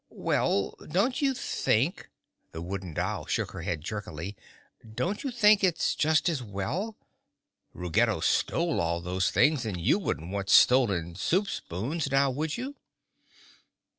"Well, don't you think"—the Wooden Doll shook her head jerkily—"Don't you think it's just as well? Ruggedo stole all those things and you wouldn't want stolen soup spoons, now would you?"